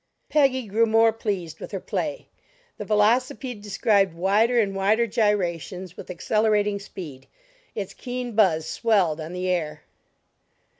Peggy grew more pleased with her play. The velocipede described wider and wider gyrations with accelerating speed; its keen buzz swelled on the air.